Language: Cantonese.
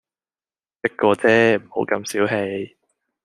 一個啫，唔好咁小氣